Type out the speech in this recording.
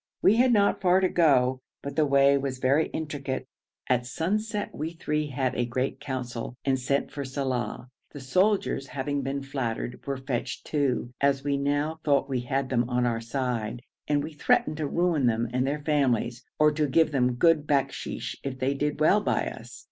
We had not far to go, but the way was very intricate. At sunset we three had a great council, and sent for Saleh; the soldiers, having been flattered, were fetched too, as we now thought we had them on our side, and we threatened to ruin them and their families, or to give them good bakshish if they did well by us.